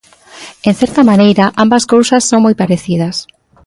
En certa maneira, ambas cousas son moi parecidas.